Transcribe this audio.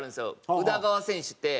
宇田川選手って。